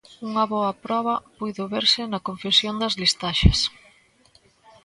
Unha boa proba puido verse na confección das listaxes.